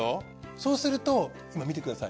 そうすると見てください。